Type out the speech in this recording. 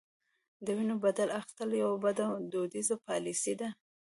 د وینو بدل اخیستل یوه بده دودیزه پالیسي ده.